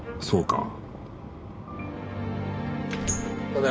そうか。